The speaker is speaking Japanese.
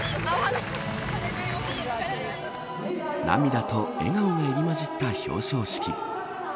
涙と笑顔が入り混じった表彰式。